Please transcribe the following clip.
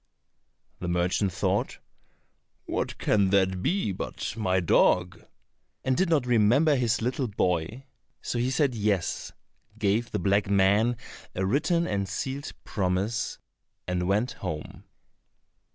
The merchant thought, "What can that be but my dog?" and did not remember his little boy, so he said yes, gave the black man a written and sealed promise, and went home.